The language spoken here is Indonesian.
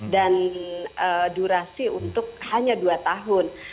dan durasi untuk hanya dua tahun